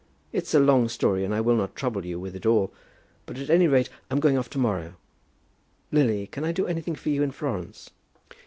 It's a long story, and I will not trouble you with it all; but at any rate I'm going off to morrow. Lily, can I do anything for you in Florence?"